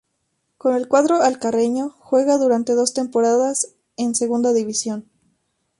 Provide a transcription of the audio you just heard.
Con el cuadro alcarreño juega durante dos temporadas en Segunda División.